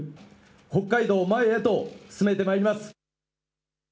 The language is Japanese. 北海道を前へと進めてまいります。